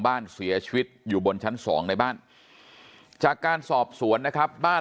บ้านเสียชีวิตอยู่บนชั้นสองในบ้านจากการสอบสวนนะครับบ้าน